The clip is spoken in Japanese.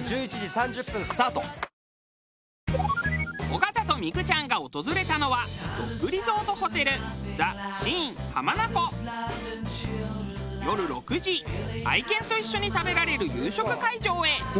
尾形と三九ちゃんが訪れたのはドッグリゾートホテル夜６時愛犬と一緒に食べられる夕食会場へ。